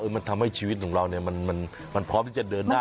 เพราะมันทำให้ชีวิตของเราเนี่ยมันพร้อมที่จะเดินหน้าต่อ